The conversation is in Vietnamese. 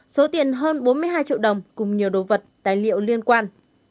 số tiền hơn bốn mươi hai triệu đồng cùng nhiều đồ vật tài liệu liên quan